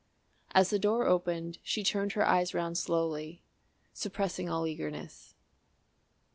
As the door opened she turned her eyes round slowly, suppressing all eagerness.